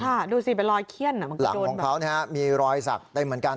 ค่ะดูสิเป็นรอยเขี้ยนหลังของเขามีรอยสักได้เหมือนกัน